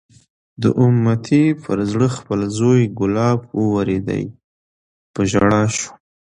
د امیة پر زړه خپل زوی کلاب واورېدی، په ژړا شو